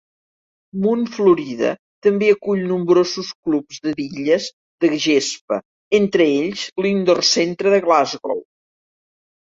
Mount Florida també acull nombrosos clubs de bitlles de gespa, entre ells l'Indoor Centre de Glasgow.